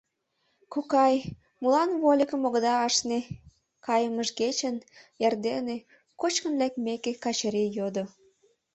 — Кокай, молан вольыкым огыда ашне? — каймыж кечын, эрдене, кочкын лекмеке, Качырий йодо.